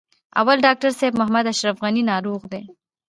اول: ډاکټر صاحب محمد اشرف غني ناروغ دی.